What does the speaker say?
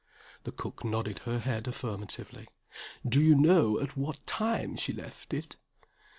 The cook nodded her head affirmatively. "Do you know at what time she left it?"